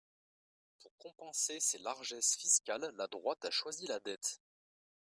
Pour compenser ses largesses fiscales, la droite a choisi la dette.